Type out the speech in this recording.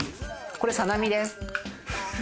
これサナミです。